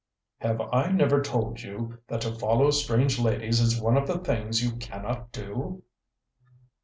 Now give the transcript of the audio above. "Have I never told you that to follow strange ladies is one of the things you cannot do?"